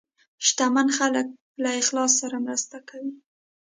شتمن خلک له اخلاص سره مرسته کوي.